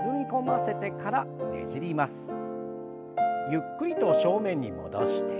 ゆっくりと正面に戻して。